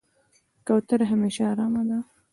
کوتره همیشه آرامه ده.